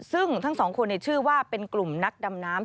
ซึ่งทั้งสองคนชื่อว่าเป็นกลุ่มนักดำน้ำ